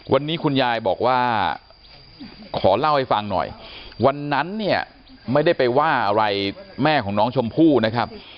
วันนี้คุณยายบอกว่าขอเล่าให้ฟังหน่อยวันนั้นเนี่ยไม่ได้ไปว่าอะไรแม่ของน้องชมพู่นะครับ